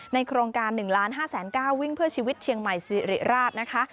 ในโครงการ๑๕๐๐๐๐๐ก้าววิ่งเพื่อชีวิตเทียงใหม่ซีริราชนะคะ